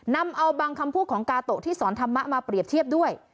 นำเอาบางคำพูดของกาโตะที่สอนธรรมะมาเปรียบเทียบด้วย